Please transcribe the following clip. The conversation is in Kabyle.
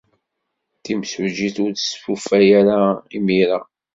Timsujjit ur testufa ara imir-a.